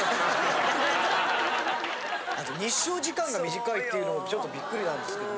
あと日照時間が短いっていうのもちょっとビックリなんですけど。